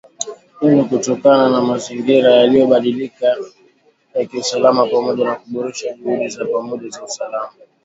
Hii ni kutokana na mazingira yaliyo badilika ya kiusalama, pamoja na kuboresha juhudi za pamoja za usalama